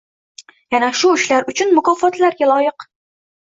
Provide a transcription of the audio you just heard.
Yana shu ishlari uchun mukofotlarga loyiq.